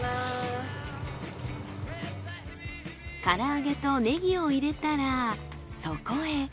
から揚げとねぎを入れたらそこへ。